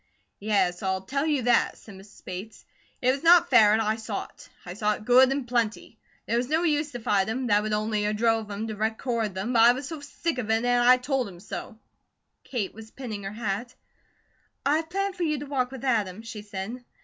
"Yes, I'll tell you that," said Mrs. Bates. "It was not fair, and I saw it; I saw it good and plenty. There was no use to fight him; that would only a drove him to record them, but I was sick of it, an' I told him so." Kate was pinning her hat. "I have planned for you to walk with Adam," she said.